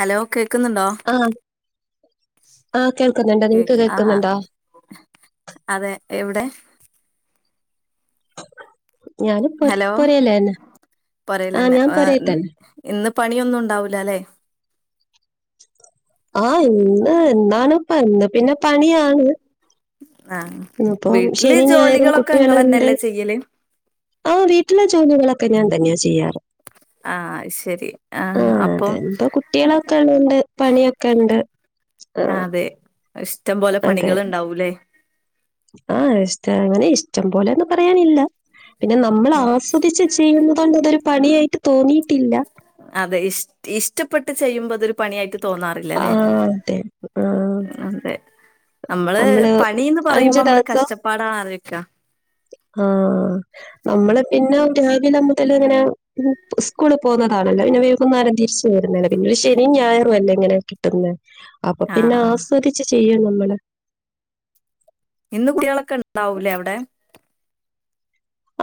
Hello കേക്കുന്നുണ്ടൊ. ആഹ് ആഹ് കേക്കുന്ന്ണ്ട്. നിങ്ങക്ക് ആഹ് കേൾക്കുന്ന്ണ്ടോ. അതെ എവിടെ ഞാന് പൊ ഹലോ പൊരേല് തന്നെ ആഹ് പൊരേലന്നെ ഞാൻ പൊരേ തന്നെ ഇന്ന് പണിയൊന്നും ഉണ്ടാവൂലല്ലേ ആഹ് ഇന്ന് എന്താണ് ഇപ്പ ഇന്ന് പിന്നെ പണിയാണ് ആഹ് ന്ന്പ്പൊ വീട്ടില് ശനി ഞായറും ജോലികളൊക്കെ കുട്ടികളുണ്ട് ഇങ്ങളെന്നെല്ലേ ചെയ്യല് ആഹ് വീട്ടില ജോലികളൊക്കെ ഞാൻ തന്നെയാ ചെയ്യാറ് [inaudible] ആഹ് അയ്ശരി ആഹ് അപ്പോ അതെ ഇപ്പൊ കുട്ടികളൊക്കെ ഉള്ളോണ്ട് പണിയൊക്കെ ഉണ്ട് ആഹ് തെ ഇഷ്ടം പോലെ അതെ പണികൾ ണ്ടാവുല്ലേ ആഹ് ഇഷ്ട അങ്ങനെ ഇഷ്ടം പോലെ ന്ന് പറയാനില്ല പിന്നെ നമ്മൾ ആസ്വദിച്ച് ചെയ്യുന്നതോണ്ട് അതൊരു പണിയായിട്ട് തോന്നിയിട്ടില്ല അതെ ഇഷ ഇഷ്ടപ്പെട്ട് ചെയ്യുമ്പോ അതൊരു പണിയായിട്ട് തോന്നാറില്ല ല്ലെ ആഹ് അതെ ആഹ് അതെ അമ്മള് നമ്മള് പണീന്ന് പറയുമ്പോ അഞ്ചു അമ്മള് ദിവസം കഷ്ടപ്പാടാന്ന് ആലൊയിക്ക ആഹ് നമ്മള് പിന്നെ രാവിലെ മുതൽ ഇങ്ങനെ സ്കൂള് പോകുന്നതാണല്ലോ പിന്നെ വൈകുന്നരം തിരിച്ച് ച്ച് വരുന്നാണാ പിന്നൊരു ശനും ഞായറും അല്ലേ ഇങ്ങനെ കിട്ടുന്നെ അപ്പൊ ആഹ് പിന്നെ ആഹ് ആസ്വദിച്ച് ചെയ്യും നമ്മള് ഇന്ന് കുട്ടികളൊക്കെ ഉണ്ടാവൂലേ അവടെ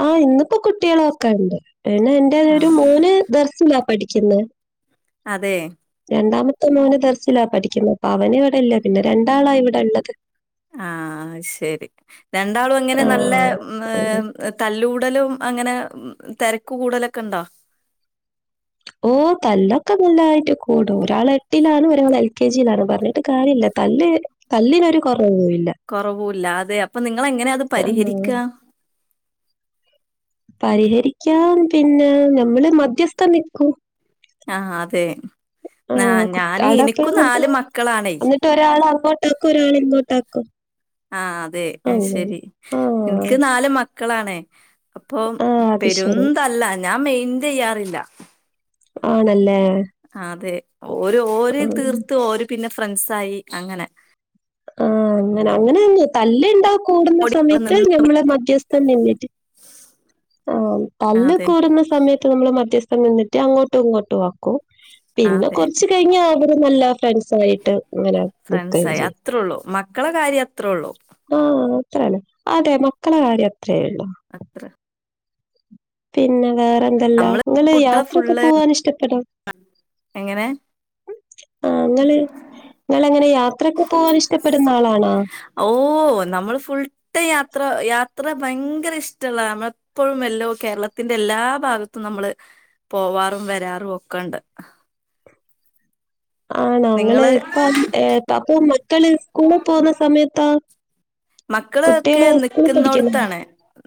ആഹ് ഇന്നിപ്പോ കുട്ടിയളൊക്കെ ഉണ്ട് പിന്നെ എന്റെ ഒരു ആഹ് മോന് ദർസിലാ പഠിക്കുന്നെ അതെ രണ്ടാമത്തെ മോന് ദർസിലാ പഠിക്കുന്നെ അപ്പൊ അവന് ഇവിടെല്ല പിന്നെ രണ്ടാളാ ഇവിടെള്ളത് ആഹ് ശരി രണ്ടാളും എങ്ങനെ നല്ല ആഹ് അങ്ങനെ. തല്ലൂ കൂടലും അങ്ങനെ തെരക്ക് കൂടലൊക്കെണ്ടോ ഓ തല്ലൊക്കെ നല്ലായിട്ട് കൂടും ഒരാൾ എട്ടിലാണ് ഒരാൾ എൽ കെ ജിയിലാണ് പറഞ്ഞിട്ട് കാര്യല്ല തല്ല് തല്ലിനൊരു കുറവൂല്ല കൊറവൂല്ലാ അതെ അപ്പൊ നിങ്ങള് എങ്ങനെ അത് ആഹ് പരിഹരിക്ക പരിഹരിക്കാൻ പിന്നെ ഞമ്മള് മധ്യസ്ഥ നിക്കൂ ആ അതെ ആഹ് കു ഞാന് ഇനിക്കും നാല് മക്കളാണേ ട്ട് ഒരാളെ അങ്ങോട്ടാക്കും ഒരാളെ ഇങ്ങോട്ടാക്കും ആ അതെ അങ്ങനെ. അയിശരി ആഹ് ഇൻക്ക് നാല് മക്കളാണേ അപ്പൊ ആഹ് അത് ശരി പെരുംന്തല്ല ഞാൻ മെയിന്റ് ചെയ്യാറില്ല ആണല്ലേ അതെ ഓര് ഓര് ആഹ് തീർത്ത് ഓര് പിന്നെ ഫ്രണ്ട്സ് ആയി അങ്ങനെ ആഹ് അങ്ങനെ അങ്ങനാന്നെ തല്ല് ഉണ്ടാ കൂടുന്ന ഓടി ഇവിടെ സമയത്ത് നിന്ന് ഞമ്മള് മധ്യസ്ഥ നിന്നിട്ട് ആ ആ, തല്ല് അതെ കൂടുന്ന സമയത്ത് നമ്മള് മധ്യസ്ഥം നിന്നിട്ട് അങ്ങോട്ടും ഇങ്ങോട്ടും ആക്കും ആ, പിന്നെ അതെ കൊറച്ച് കയിഞ്ഞ അവര് നല്ല ഫ്രണ്ട്സ് ആയിട്ട് ഇങ്ങനെ നിക്കേം ഫ്രണ്ട്സായി ചെയ്യു അത്രൊള്ളൂ മക്കളെ കാര്യം അത്രൊള്ളൂ. ആഹ് അത്രന്നെ അതെ മക്കളെ കാര്യം അത്രേ ഇള്ളൂ അത്ര പിന്നെ വേറെ എന്തല്ലാ നമ്മള് ഇങ്ങള് കുട്ടികളെ യാത്രൊക്കെ ഫുള്ള് പോവാൻ ഇഷ്ടപ്പെടൊ എങ്ങനെ ആ ങ്ങള് ങ്ങള് അങ്ങനെ യാത്രക്കെ പോവാൻ ഇഷ്ടപ്പെടുന്ന ആളാണോ ഓ നമ്മൾ ഫുൾട്ടൈ യാത്ര യാത്ര ഭങ്കര ഇഷ്ടള്ള നമ്മ എപ്പോഴും വല്ലോ കേരളത്തിന്റെ എല്ലാ ഭാഗത്തും നമ്മള് പോവാറും വെരാറും ഒക്കെണ്ട് ആണോ ങ്ങള് നിങ്ങള് ഇപ്പൊ അപ്പൊ മക്കള് സ്കൂളി പോവുന്ന സമയത്താേ മക്കള് ക്കെ നിക്കുന്നൊട്ത്താണ്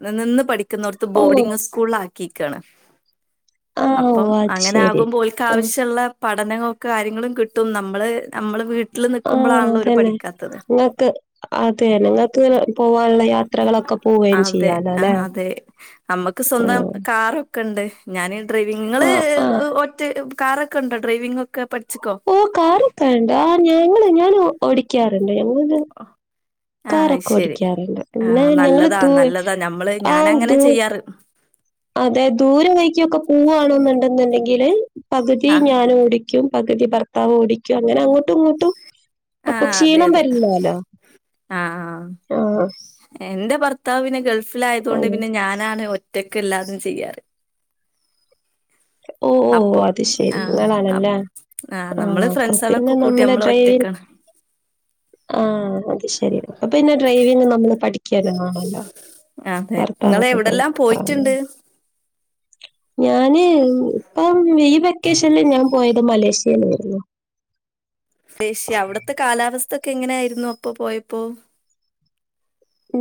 ന്നി നിന്ന് പഠിക്കുന്നോട്ത്ത് ഓഹ് ബോർഡിങ്ങ് സ്കൂള് ആക്കിയേക്കാണ് ആഹ് അപ്പം ഓഹ് അത് അങ്ങനെ ശരി. ആകുമ്പോ ഉം ഓൽക്കാവ്ശ്യള്ള പഠനൊക്കെ കാര്യങ്ങളും കിട്ടും നമ്മള് നമ്മള് വീട്ടില് നിക്കുമ്പളാണല്ലോ ഓര് പഠിക്കാ ഇങ്ങൾക്ക് അതെ നിങ്ങൾക്ക് ഇങ്ങനെ പോവാനുള്ള യാത്രകളൊക്കെ പോവേം അതെ ചെയ്യാല്ലെ ആഹ് അതെ. അമ്മക്ക് സ്വന്തം കാറ് ക്കെണ്ട് ഞാന് ഡ്രൈവിംഗ് ഇങ്ങള് ആഹ് ആഹ് ഒറ്റ കാറൊക്കെണ്ടോ ഡ്രൈവിംഗൊക്കെ പഠിച്ച്ക്കോ ഓഹ് കാറൊക്കെണ്ട് ആഹ് ഞങ്ങള് ഞാന് ഓടിക്കാറ്ണ്ട് ഞങ്ങള്ത് [inaudible] ആഹ് അത് ശെരി പിന്നെ ആഹ് ഞങ്ങള് നല്ലതാ ദൂ നല്ലതാ നമ്മള് ആഹ് ഞാനങ്ങനെ ദൂ ചെയ്യാറ് അതെ ദൂരം വയിക്കൊക്കെ പോവാണ്ന്ന്ണ്ടെങ്കില് പകുതി ആഹ് ഞാനോടി ക്യും പകുതി ഭർത്താവ് ഓടിക്കും അങ്ങനെ അങ്ങട്ടും ഇങ്ങട്ടും അപ്പൊ ആഹ് അതെ ക്ഷീണം അതെ വരില്ലോലൊ ആഹ് ആഹ്. എന്റെ ഭർത്താവ് പിന്നെ ഗൾഫിലായതോണ്ട് പിന്നെ അങ്ങനത്തെ ഞാനാണ് ഒറ്റക്ക് എല്ലാതും ചെയ്യാറ്. ഓഹ് ഓഹ് അപ്പൊ അത് ശെരി ആഹ് അപ് അങ്ങനാണല്ലേ നമ്മള് ആഹ് അപ്പ ഫ്രണ്ട്സാളൊക്കെ പിന്നെ കൂട്ടി നമ്മളെ നമ്മള് ഡ്രൈവിംഗ് ഒറ്റക്കാണ് ആഹ് അത് ശെരി പിന്നെ ഡ്രൈവിംഗ് നമ്മള് പഠിക്കാനണല്ലോ അതെ ഇങ്ങള് ഭർത്താവൊക്കെ എവിടെല്ലാം ആയിട്ട് ആഹ് പോയിറ്റ്ണ്ട് ഞാന് ഇപ്പം ഈ വെക്കേഷനില് ഞാന് പോയത് മലേഷ്യയിലായിരുന്നു മലേഷ്യ അവ്ട്ത്തെ കാലാവസ്ഥ ഒക്കെ എങ്ങനെയായിരുന്നു ഇപ്പ പോയപ്പോ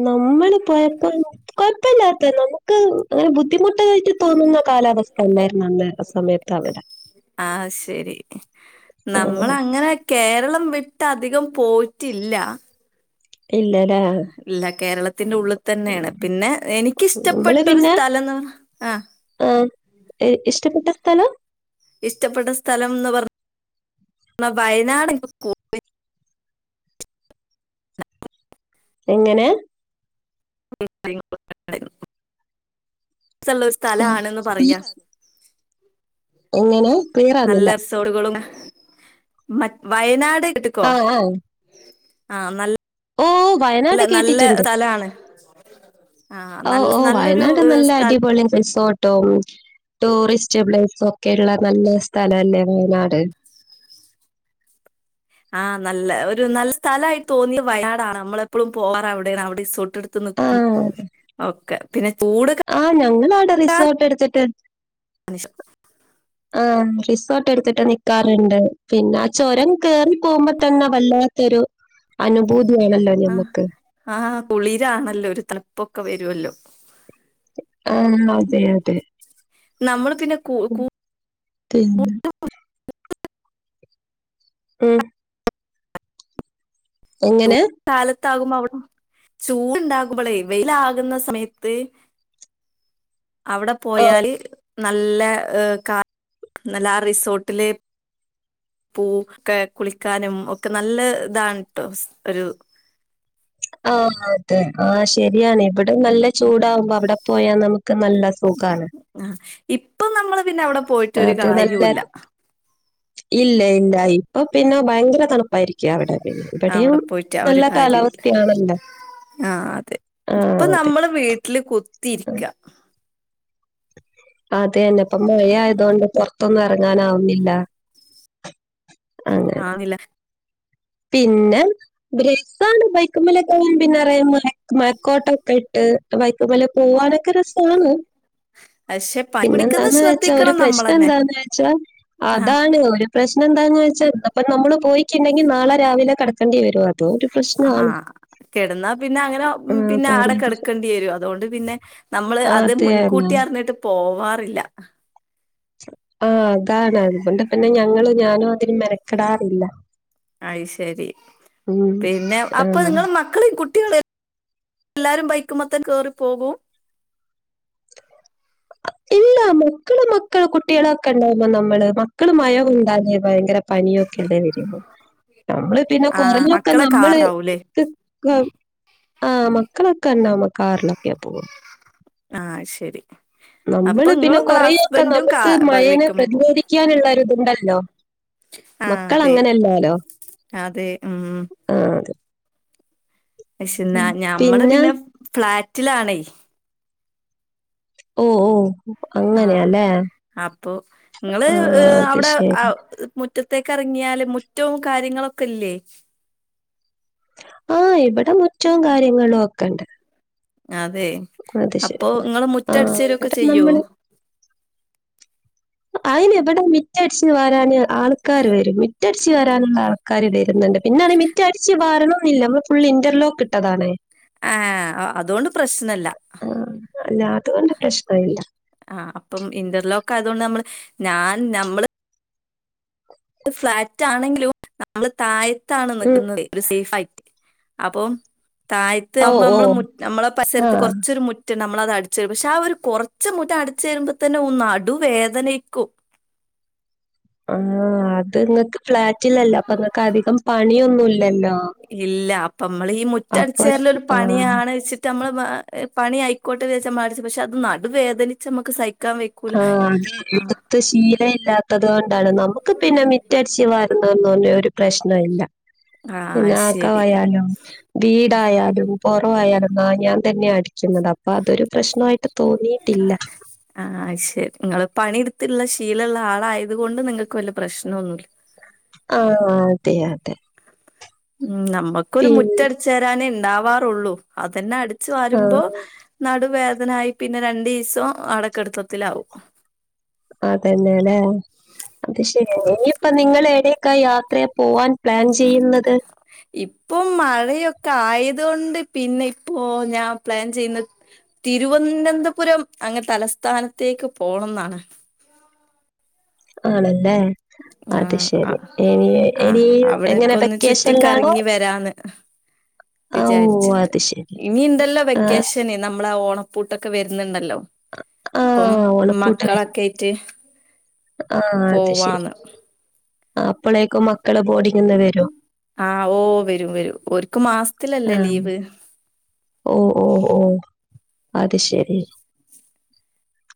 നമ്മള് പോയപ്പൊ കൊഴപ്പല്ലാത്ത നമുക്ക് അങ്ങനെ ബുദ്ധിമുട്ടായിട്ട് തോന്നുന്ന കാലാവസ്ഥ എല്ലാരും നന്ന സമയത്താവിടെ ആഹ് ശരി ആഹ് നമ്മളങ്ങനെ കേരളം വിട്ട് അധികം പോയിട്ട്ല്ല ഇല്ലല്ലെ. ഇല്ല കേരളത്തിന്റെ ഉള്ളിൽ തന്നെയാണ്. പിന്നെ നമ്മള് എനിക്കിഷ്ടപ്പെട്ട ഒരു പിന്നെ സ്ഥലംന്ന് പറഞ്ഞ ആഹ് ആഹ് ഇ ഇഷ്ടപ്പെട്ട സ്ഥലം ഇഷ്ടപ്പെട്ട സ്ഥലം എന്ന് പറ [inaudible] ഞ്ഞ വയനാട് കൊ എങ്ങനെ? [unintelligible] ഇഷ്ട്ടള്ള സ്ഥലാണ്ന്ന് പറയാ എങ്ങനെ ക്ലിയറ നല്ല എസോഡുകളും മ വയനാട് കേട്ക്കോ ആഹ് ആഹ് ആഹ് നല് ഓ ല്ല വയനാട് നല്ല കേട്ടിട്ടുണ്ട് സ്ഥലാണ്. ആഹ് ഓഹ് നല്ല ഓഹ് നല്ലൊരു വയനാട് നല്ല സ്ഥല അടിപൊളി റിസോ ട്ടും ടൂറിസ്റ്റ് പ്ലേസ് ഒക്കെയുള്ള നല്ലൊരു സ്ഥലല്ലേ വയനാട് ആഹ് നല്ല ഒരു നല്ല സ്ഥലയിട്ട് തോന്നിയ വയനാടാണ് നമ്മള് എപ്പഴളും പോവാറ് അവിടെണ് അവിടെ റിസോ ട്ട്ട്ത്ത് നിക്കും ആഹ് ഓക്കെ പിന്നെപൂട് ആഹ് ഞങ്ങളാവിടെ റിസോർട്ട് എടുത്തിട്ട് [unintelligible] ആഹ് റിസോർട്ട് എടുത്തിട്ട് നിക്കാറ്ണ്ട് പിന്നെ ആ ചൊരം കേറി പോകുമ്പോ തന്നെ വല്ല ത്തൊരു അനുഭൂതിയാണല്ലോ ആഹ് ഞമ്മക്ക് ആഹ് കുളിരാണല്ലോ ഒര് തണുപ്പൊക്കെ വരൊല്ലോ ആം അതെ അതെ നമ്മള് പിന്നെ കൂ ഉം കൂ പിന്നെ ഉം എങ്ങനെ കാലത്താകുമ്പോ അവ്ട്ന്ന് ചൂട്ണ്ടാകുമ്പളേ വെയില് ആകുന്ന സമയത്ത് അവ്ടെ ആഹ് പ്പോയാല് നല്ല കാറ്റ് നല്ല ആ റിസോർട്ടില് പൂക്കെ കുളിക്കാനും ഒക്കെ നല്ല താൺട്ടോ ഒരു ആ അതെ ആ ശരിയാണ് ഇവടെ നല്ല ചൂടാവുമ്പോ അവടെ പോയാ നമുക്ക് നല്ല സുഖാണ് ആ ഇപ്പൊ നമ്മള് പിന്നെ അവ്ടെപ് അതെ നല്ല ഇല്ല ഇല്ല ഇപ്പൊ പിന്നെ ഭയങ്കര തണുപ് പ്പായിരിക്ക്യ അവടെ പിന്നെ ഇവടിം അവിടെ പോയിട്ട് ഒരു നല്ല കാര്യവുല്ല. കാലാവസ്ഥയാണല്ല ആ അതെ ഇപ്പൊ നമ്മള് വീട്ടില് കുത്തിരിക്ക അതേനെ പ്പ മഴയായതോണ്ട് പൊർത്തൊന്നും എറങ്ങാനാവുന്നില്ല അങ്ങനെ. ആവില്ല പിന്നെ ബ്രസ്സാണ് ബൈക്കുമ്മലൊക്കേണേൽ പിന്നെ റയ്ൻ മഴ മഴക്കോട്ടൊക്കെ ഇട്ട് ട്ട് ബൈക്ക്‌മല് പോവാനൊക്കെ രസാണ് പക്ഷെ പനി പിടിക്കുന്ന പിന്നെന്താന്ന് വെച്ചാ ഒരു ശ്രദ്ധിക്കണം നമ്മളന്നെ പ്രശ്നന്താന്ന് വെച്ചാൽ ആഹ് അതാണ് ഒര് പ്രശ്നന്താന്ന് വെച്ചാൽ അപ്പ നമ്മള് പോയിറ്റ്ണ്ടെങ്കിൽ നാളെ രാവിലെ കടക്കണ്ടി വരോന്ന് അപ്പോ ഒര് പ്രശ്നാണ് കെട്ന്നാ പിന്നെ അങ്ങനെ ആഹ് പിന്നെ ആടെ പഴയ പ്രശ്നം. കെട്ക്കെണ്ടിരും അതോണ്ട് പിന്നെ നമ്മള് ആഹ് അത് തന്നെ. മുൻകൂട്ടി അർന്നിട്ട് പോവാറില്ല ആ അതാണ് അത്കൊണ്ട് പിന്നെ ഞങ്ങള് ഞാനു അതിന് മെനക്കെടാറില്ല അത് ശരി ഉം പിന്നെ അപ്പ ആഹ്. നിങ്ങള് മക്കളീം കു ട്ട്യാളി ല്ലാരും ബൈക്ക്മ്മെത്തെന്നേ കേറി പോകും [inaudible] ടാ മക്കള് മക്കള് കുട്ട്യാളൊക്കെണ്ടാവുമ്പോ നമ്മള് മക്കള് മയ കൊണ്ടാല് ഭയങ്കര പനിയൊക്കെല്ലേ വരെള്ളൂ നമ്മള് പിന്നെ ആഹ് കൊറേയൊക്കെ മക്കളെ നമ്മള് കാറാവൂലേ വൗ ആ മക്കളൊക്കെ ണ്ടാവുമ്പൊ കാർലൊക്കെയാ പോവാ ആ ശരി അപ്പൊ നമ്മള് പിന്നെ ഇങ്ങളും ഇങ്ങളെ കൊറേയൊക്കെ ഹസ്ബൻഡും കാ നമുക്ക് മയേനെ ബൈക്കുമ്മെ പോവും പ്രതിരോധിക്കാനുള്ള ഒരിത്ണ്ടല്ലോ ആഹ് അതെ മക്കളങ്ങനല്ലാലോ അതെ ഉം ആ അതെ പക്ഷേ ന ഞമ്മള് പിന്നെ ഫ്ളാറ്റിലാണേയ് ഓ ഓ ആ അങ്ങനെയാല്ലേ അപ്പൊ ങ്ങള് ആ ഹ് അത് അവ്ടെ ശരി അവ് ഹ് മുറ്റത്തേക്കെറങ്ങിയാല് മുറ്റവും കാര്യങ്ങളൊക്കെല്ലേ ആ ഇബ്ടെ മുറ്റോം കാര്യങ്ങളൊക്കെണ്ട് അതെ ശരി അപ്പ ങ്ങള് ആ മുറ്റട് ച്ചേരൊക്കെ ഇവിടെ ചെയ്യോ നമ്മള് അയ്ന് ബടെ മിറ്റട്ച്ച് വരാന് ആൾക്കാര് വരും മിറ്റട്ച്ച് വരാന്ള്ളാൾ ക്കാര് വരുന്ന്ണ്ട് പിന്നാണെ മിറ്റട്ച്ച് വാരണോന്നില്ല നമ്മൾ ഫുൾ ഇന്റർലോക്കിട്ടതാണേ ആ അതോണ്ട് പ്രശ്നല്ല ആ അല്ല അത്കൊണ്ട് പ്രശ്ണയില്ല ആ അപ്പം ഇന്റർലോക്കയതോണ്ട് നമ്മള് ഞാൻ ഞമ്മ്ള് ഫ്ലാറ്റണെങ്കിലും നമ്മള് തായ്ത്താണ് ഉം നിക്ക്ന്നതേ ഒരു സേഫ [inaudible] ആയ്റ്റ് അപ്പം താഴ്താ ഓ [inaudible] മ്പോ ഓ മ്മള് നമ്മള പരിസ [inaudible] ത്ത് ആഹ് കൊറച്ചൊരു മു നമ്മളതട്ചോരും പക്ഷേ ഒരു കൊർച്ച് മുറ്റം അടിചോരുമ്പ തന്നെ നടുവേദനയ്ക്കും ആ അത് ങ്ങക്ക് ഫ്ളാറ്റിലല്ലോ അപ്പങ്ങക്കധികം പണിയൊന്നുല്ലല്ലോ ഇല്ല അപ്പമ്മളീ അപ്പൊ മുറ്റട്ച്ചേരലൊരു ആഹ് പണിയാണീച്ചി ട്ടമ്മള് പണിയയ്ക്കോട്ടെ വിചാര്ച്ചമ്മളട്ച്ച് പക്ഷേ അത് നടുവേദനിച്ചമ്മക്ക് സഹിക്കാൻ ക്കാ വെയ്ക്കൂല [inaudible] ത് ശീലം ഇല്ലാത്തത് കൊണ്ടാണ് നമുക്ക് പിന്നെ മിറ്റട്ച് വരുന്നത് ഒരു പ്രശ്ന ഇല്ല ആഹ് ശരി ന്നാക്കവായാലു വീടായാലും പൊറവായാലും ആ ഞാൻ തന്ന്യാ അടിക്കുന്നത് അപ്പതൊരു പ്രശ്നയിട്ട് തോന്നീട്ടില്ല ആഹ് അ ശരി ങ്ങള് പണിട്ത്ള്ള ശീലള്ളാളായത് കൊണ്ട് നിങ്ങക്ക് വല്ല പ്രശ്നന്നുല്ല ആഹ് അതെ അതെ ഉം നമ്മക്കൊരു പിന്നെ മുറ്റട്ചാരാനേ ണ്ടാവാറൊള്ളൂ അതന്നെ അടിച് വരുമ്പോ ആഹ് നടുവേദനായി പിന്നെ രണ്ടീസൊ ആടെക്കെടത്തത്തിലാവും അതന്നെ ലേ അത് ശരിയ [inaudible] പ്പ നിങ്ങളേടെേക്കാ യാത്ര പോവാൻ പ്ലാൻ ചെയ്യ്ന്നത് ഇപ്പൊ മഴയൊക്കായത്കൊണ്ട് പിന്നെ ഇപ്പോ ഞാൻ പ്ലാൻ ചെയ്ന്നേ തിരുവനന്തപുരം അങ്ങ് തലസ്ഥാനത്തേക്ക് പോണം ന്നാണ് ആണല്ലേ അത് ശരി. ആഹ് ഇനി ആഹ് ഇനി എങ്ങനെ അവിടൊക്കെന്ന് വെക്കേഷനിലാണോ? ചുറ്റിക്കറങ്ങി വരാന്ന് ആ ഓ വിചാരിച്ചിട്ട് അത് ശരി. ഇനിണ്ടല്ലോ ആ വെക്കേഷ പിന്നെ നമ്മളാ ഓണപ്പൂട്ടൊക്കെ വര്ന്ന്ണ്ടല്ലോ ആ പ്പം മക്കളൊക്കായ്റ്റ് ആഹ് അത് ശരി അപ്പളേക്കും മക്കളെ ബോർഡിംഗ് വരും ആഹ് ഓ വരും വരും ഒര്ക്ക് ആ. മാസത്തിലല്ലേ ലീവ് ഓ ഓ ഓ അത് ശരി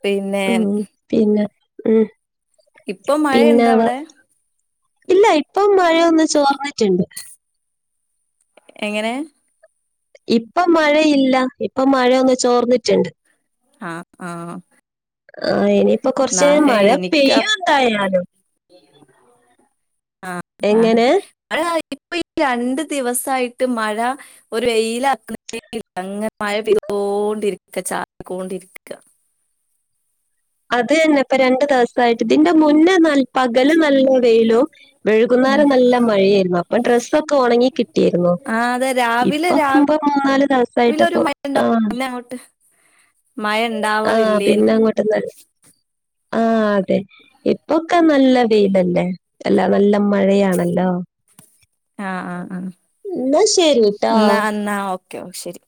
പിന്നെ ഉ പിന്നെ ഉ ഇപ്പൊ പിന്ന മഴയുണ്ടോ വെ അവിടെ ഇല്ല ഇപ്പം മഴയൊന്ന് ചോർന്നിറ്റ്ണ്ട് എങ്ങനെ ഇപ്പം മഴയില്ല ഇപ്പൊ മഴയൊന്ന് ചോർന്നിറ്റ്ണ്ട് ആഹ് ആഹ് ആഹ് ഇനിയിപ്പൊ കൊറച്ച് നേരം നാളെ മഴ പെയ്യും എന്തായാലും ആഹ് ആഹ് എങ്ങനെ? ഇങ്ങനെ അടിപ്പിച്ച് ഈ രണ്ട് ദിവസായിട്ട് മഴ ഒരു വെയിലാണെങ്കി ഇല്ല. അങ്ങനെ മഴ പെയ്തോണ്ടിരിക്ക ചാറിക്കോണ്ടിരിക്ക അത് തന്നെ ഇപ്പൊ രണ്ട് ദിവസായിട്ട്. ഇതിന്റെ മുന്നെ പകല് നല്ല വെയിലും ഉം വൈകുന്നേരം നല്ല മഴയേര്ന്നു അപ്പൊ ഡ്രസ്സൊക്കെ ഒണങ്ങി കിട്ടിയിരുന്നു. ആഹ് അതെ രാവിലെ രാവിലെ ഇപ്പാവുമ്പൊ മൂന്നാല് ഒരു ദിവസായിട്ട്പ്പൊ മഴ ഉണ്ടാവും ആഹ് പിന്നെ അങ്ങോട്ട് മഴ ആഹ് ഉണ്ടാവാറില്ലേന്ന് പിന്നെ അങ്ങോട്ട് നല്ല ആഹ് അതെ, ഇപ്പൊക്കെ നല്ല വെയിലല്ലേ അല്ലാ നല്ല മഴയാണല്ലോ ആഹ് ആഹ് ആഹ് ഇന്നാ ശരിട്ടോ. ഇന്നാ എന്നാ ഓക്കെ ശരി